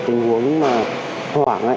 tình huống hoảng